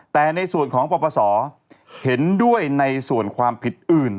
แต่ในส่วนของปปศเห็นด้วยในส่วนความผิดอื่น